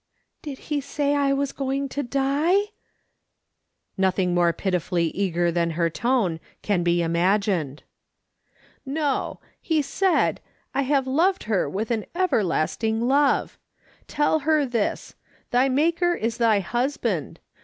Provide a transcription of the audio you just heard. " Did he say I was going to die ?" Nothing more pitifully eager than her tone can be imagined. " No ; lie said ' I have loved her with an everlast ing love.' Tell her this :' Thy maker is thy hus band.'